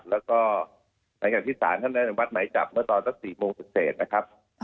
เหมือนกับที่ศาลท่านแนนวัดหมายจับเมื่อตอนเมื่อ๔โมง๑๗นะครับ